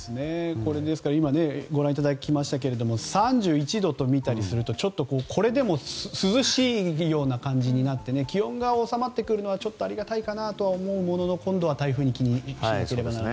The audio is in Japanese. ですから今ご覧いただきましたけども３１度というのを見たりするとちょっと、これでも涼しいような感じになって気温が収まってくるのはちょっとありがたいかなとは思うものの今度は台風を気にしなければならない。